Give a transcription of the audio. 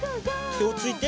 てをついて。